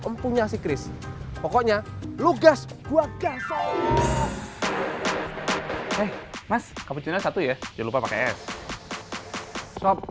mempunyai chris pokoknya lu gas gua gas sop eh mas kamu jual satu ya jangan lupa pakai s sop